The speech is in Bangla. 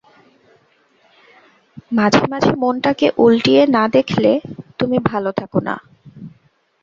মাঝে মাঝে মনটাকে উলটিয়ে না দেখলে তুমি ভালো থাক না।